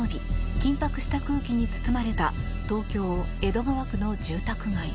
緊迫した空気に包まれた東京・江戸川区の住宅街。